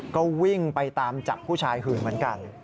ก็วิ่งไปตามจับผู้ชายหื่นเหมือนกัน